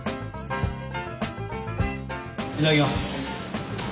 いただきます。